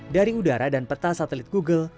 dari udara dan peta satelit google